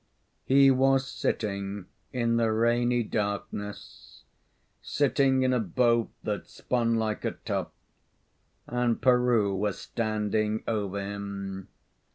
He was sitting in the rainy darkness sitting in a boat that spun like a top, and Peroo was standing over him.